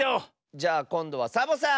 じゃあこんどはサボさん！